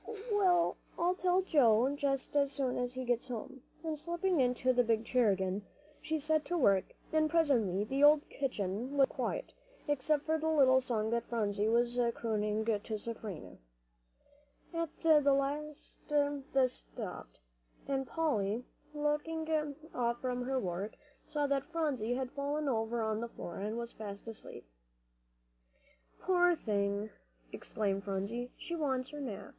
"Well, I'll tell Joe just as soon as he gets home," and slipping into the big chair again, she set to work, and presently the old kitchen was very quiet, except for the little song that Phronsie was crooning to Seraphina. At last this stopped, and Polly, looking off from her work, saw that Phronsie had fallen over on the floor, and was fast asleep. "Poor thing!" exclaimed Polly, "she wants her nap."